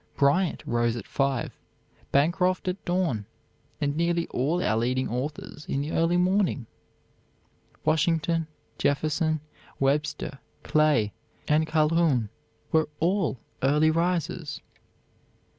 Bryant rose at five, Bancroft at dawn, and nearly all our leading authors in the early morning. Washington, Jefferson, Webster, Clay, and Calhoun were all early risers.